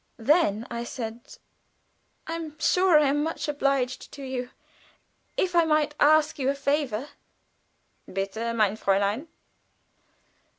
Then I said, "I am sure I am much obliged to you. If I might ask you a favor?" "_Bitte, mein Fräulein!